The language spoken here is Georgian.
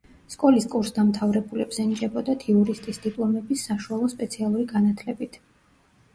სკოლის კურსდამთავრებულებს ენიჭებოდათ იურისტის დიპლომები საშუალო სპეციალური განათლებით.